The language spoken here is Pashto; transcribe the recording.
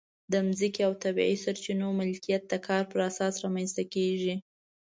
د ځمکې او طبیعي سرچینو مالکیت د کار پر اساس رامنځته کېږي.